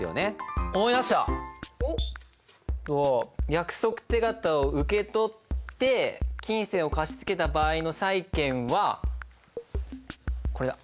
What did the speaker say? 約束手形を受け取って金銭を貸し付けた場合の債権はこれだ。